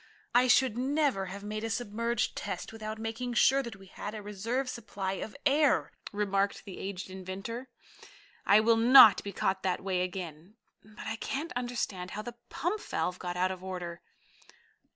"I should never have made a submerged test without making sure that we had a reserve supply of air," remarked the aged inventor. "I will not be caught that way again. But I can't understand how the pump valve got out of order."